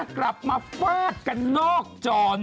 กลับมาฟาดกันนอกจร